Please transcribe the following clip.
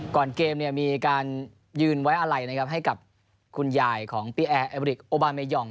ก่อนเกมเนี่ยมีการยืนไว้อะไหล่นะครับให้กับคุณยายของโอบาเมยอง